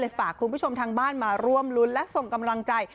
ฝากคุณผู้ชมทางบ้านมาร่วมรุ้นและส่งกำลังใจ